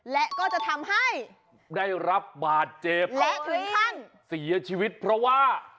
และก็จะทำให้ได้รับบาดเจ็บและถึงขั้นเสียชีวิตเพราะว่า